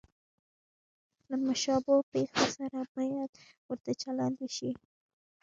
له مشابه پېښو سره باید ورته چلند وشي.